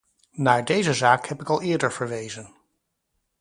Naar deze zaak heb ik al eerder verwezen.